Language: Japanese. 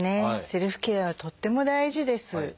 セルフケアはとっても大事です。